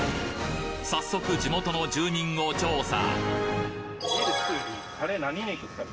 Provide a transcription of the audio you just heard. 早速地元の住人を調査